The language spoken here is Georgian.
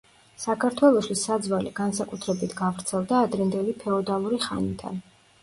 საქართველოში საძვალე განსაკუთრებით გავრცელდა ადრინდელი ფეოდალური ხანიდან.